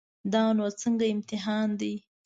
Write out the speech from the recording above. دا نو څنګه امتحان دی.